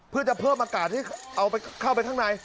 เพื่อจะเพิ่มอากาศให้เอาเข้าไปข้างใน